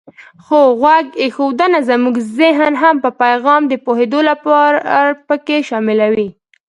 خو غوږ ایښودنه زمونږ زهن هم په پیغام د پوهېدو لپاره پکې شاملوي.